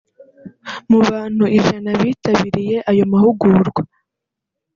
Mu bantu ijana bitabiriye ayo mahugurwa